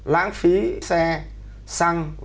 lãng phí xe xăng